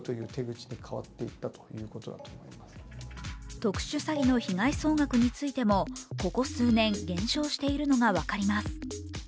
特殊詐欺の被害捜索についてもここ数年減少しているのが分かります。